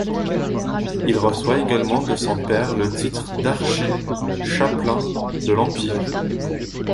Il reçoit également de son père le titre d'archi-chapelain de l'Empire.